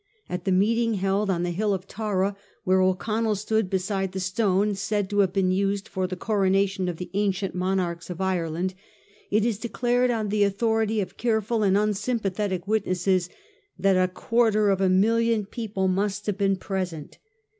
At the meeting held on the Hill of Tara, where O'Connell stood beside the stone said to have been used for the coronation of the ancient monarchs of Ireland, it is declared on the authority of careful and unsympathetic witnesses that a quarter of a million of people must have been pre sent.